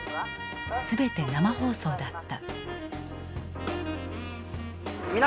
全て生放送だった。